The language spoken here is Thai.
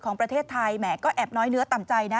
ของประเทศไทยแหมก็แอบน้อยเนื้อต่ำใจนะ